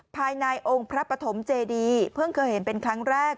ภายในองค์พระปฐมเจดีเพิ่งเคยเห็นเป็นครั้งแรก